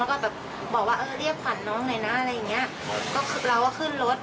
แล้วก็แบบบอกว่าเออเรียกขวัญน้องหน่อยนะอะไรอย่างเงี้ยก็คือเราก็ขึ้นรถ